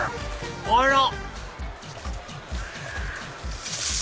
あら！